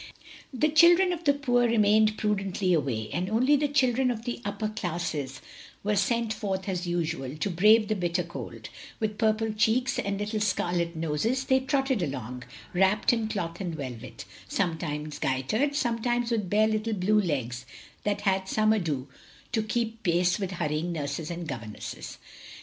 The children of the poor remained prudently away; and only the children of the upper classes were sent forth as usual, to brave the bitter cold; with purple cheeks and little scarlet noses they trotted along, wrapped in cloth and velvet; sometimes gaitered, sometimes with bare little blue legs that had some ado to keep pace with hurrying nurses and governesses.